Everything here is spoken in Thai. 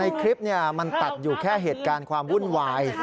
ในคลิปมันตัดอยู่แค่เหตุการณ์ความวุ่นวาย